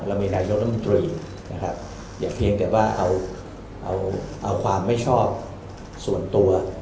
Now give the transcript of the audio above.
เรามีนายกรรมดริอย่างเพียงแต่ว่าเอาความไม่ชอบส่วนตัว